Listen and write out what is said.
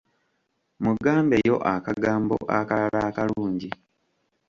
Mugambeyo akagambo akalala akalungi.